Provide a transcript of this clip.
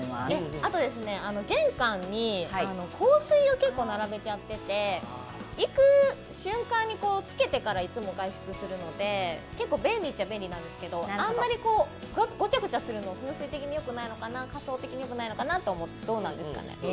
あと玄関に香水を結構並べちゃってて、行く瞬間につけてから、いつも外出するので、結構便利っちゃ便利なんですけど、あんまりごちゃごちゃするの風水的によくないのかな、家相的によくないのかなと思うんですが。